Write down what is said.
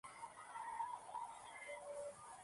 Todos ellos terrestres.